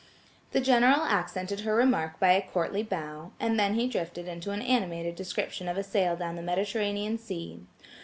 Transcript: The General accented her remark by a courtly bow, and then he drifted into an animated description of a sail down the Mediterranean Sea.